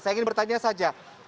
saya ingin bertanya saja